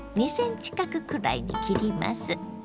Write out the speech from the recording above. ２ｃｍ角くらいに切ります。